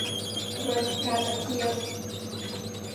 รถพระประเทียบ